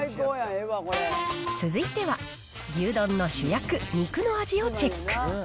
続いては牛丼の主役、肉の味をチェック。